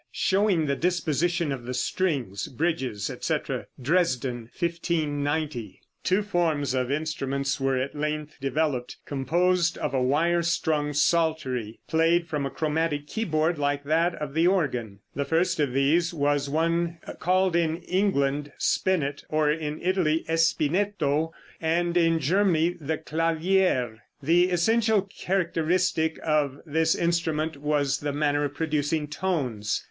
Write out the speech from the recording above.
(Showing the disposition of the strings, bridges, etc. Dresden, 1590.)] Two forms of instruments were at length developed, composed of a wire strung psaltery, played from a chromatic keyboard like that of the organ. The first of these was the one called in England Spinet, or in Italy Espinnetto, and in Germany the Clavier. The essential characteristic of this instrument was the manner of producing tones.